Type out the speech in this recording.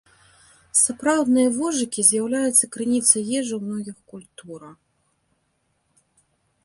Сапраўдныя вожыкі з'яўляюцца крыніцай ежы ў многіх культурах.